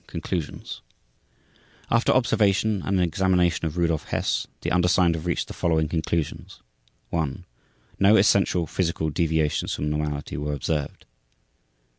Conclusions After observation and an examination of Rudolf Hess the undersigned have reached the following conclusions: 1. No essential physical deviations from normality were observed.